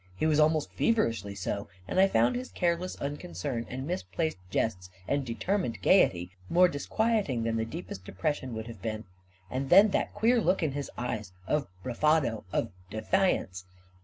He was almost feverishly so, and I found his careless uncon cern and misplaced jests and determined gayety more disquieting than the deepest depression would have been. And then that queer look in his eyes — of bravado, of defiance.